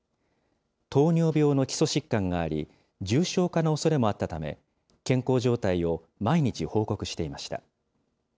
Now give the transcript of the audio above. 糖尿病の基礎疾患があり、重症化のおそれもあったため、健康状態を毎日報告していました。